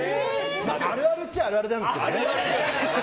あるあるっちゃあるあるなんですけどね。